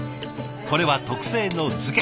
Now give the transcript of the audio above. これは特製の漬け。